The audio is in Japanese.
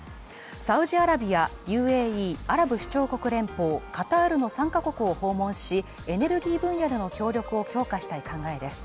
サウジアラビア、ＵＡＥ、アラブ首長国連邦、カタールの３か国を訪問しエネルギー分野での協力を強化したい考えです。